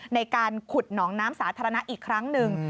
ในการขุดหนองน้ำสาธารณะอีกครั้งหนึ่ง